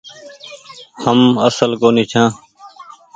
هم اسل ڪونيٚ ڇآن۔